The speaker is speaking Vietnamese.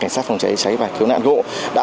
cảnh sát phòng cháy cháy và cứu nạn hộ đã